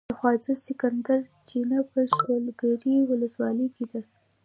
د خواجه سکندر چينه په شولګرې ولسوالۍ کې ده.